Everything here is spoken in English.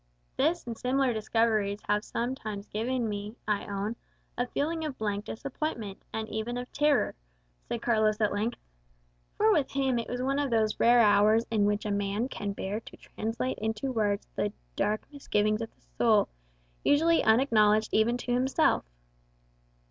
"This and similar discoveries have sometimes given me, I own, a feeling of blank disappointment, and even of terror," said Carlos at length. For with him it was one of those rare hours in which a man can bear to translate into words the "dark misgivings" of the soul, usually unacknowledged even to himself.